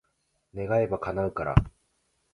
願えば、叶うから。